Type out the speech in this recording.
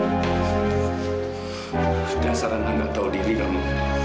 aku tidak tahu diri kamu